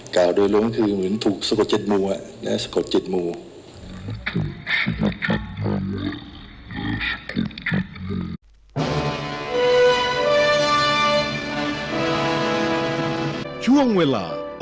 กล่าวโดยรวมคือเหมือนถูกสะกดเจ็ดมัวสะกดเจ็ดมูล